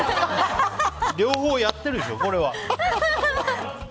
両方やってるでしょ、これは。